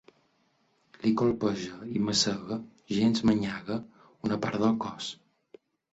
Li colpeja i masega, gens manyaga, una part del cos.